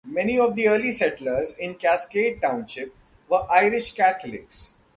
Many of the early settlers in Cascade Township were Irish Catholics.